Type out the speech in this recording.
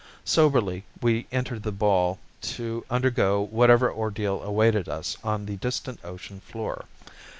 Soberly we entered the ball to undergo whatever ordeal awaited us on the distant ocean floor.